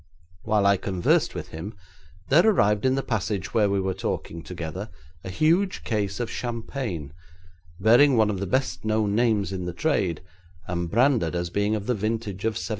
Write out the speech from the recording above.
While I conversed with him, there arrived in the passage where we were talking together a huge case of champagne, bearing one of the best known names in the trade, and branded as being of the vintage of '78.